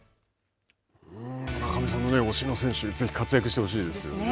村上さんの推しの選手、ぜひ活躍してほしいですよね。